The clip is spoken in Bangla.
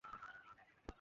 আমি তাকে বাধা দিলাম না।